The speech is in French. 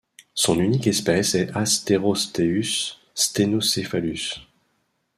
Son unique espèce est Asterosteus stenocephalus.